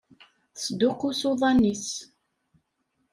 Tesduqqus uḍan-is.